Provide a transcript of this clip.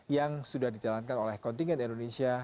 yang sudah dijalankan oleh kontingen indonesia